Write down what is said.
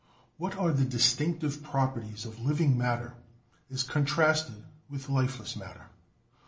What are the distinctive properties of living matter as contrasted with lifeless matter?